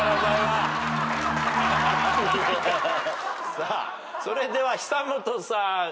さあそれでは久本さん。